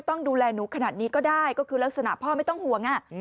ต้องดูแลหนูขนาดนี้ก็ได้ก็คือลักษณะพ่อไม่ต้องห่วง